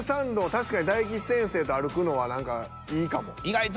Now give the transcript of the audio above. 確かに大吉先生と歩くのは何かいいかも。